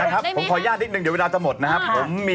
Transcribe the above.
ครับผมขออนุญาตนิดนึงเดี๋ยวเวลาจะหมดนะครับ